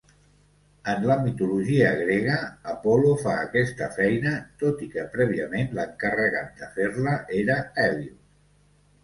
En la mitologia grega, Apol·lo fa aquesta feina, tot i que prèviament l'encarregat de fer-la era Hèlios.